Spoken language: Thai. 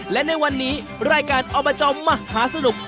และในวันนี้รายการอบจมหาสนุก